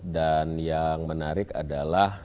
dan yang menarik adalah